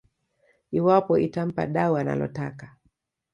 iwapo itampa dau analotaka